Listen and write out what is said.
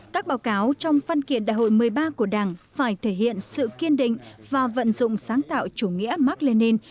các báo cáo trong phân kiện đại hội một mươi ba của đảng phải thể hiện sự kiên định và vận dụng sáng tạo chủ nghĩa mark lenin